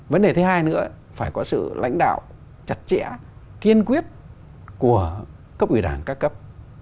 vấn đề thứ hai nữa phải có sự lãnh đạo chặt chẽ kiên quyết của cấp ủy đảng các cấp